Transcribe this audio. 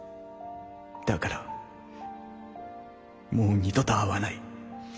だからもう二度と会わない。